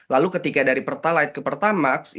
lalu ketika dari pertalait ke pertamax peoplewco com sh fue